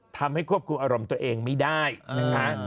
ทำให้ควบคุมอารมณ์ตัวเองไม่ได้นะคะ